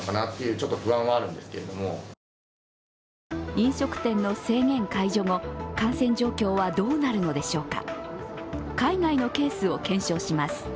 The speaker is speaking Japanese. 飲食店の制限解除後、感染状況はどうなるのでしょうか。